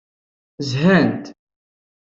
Zhant.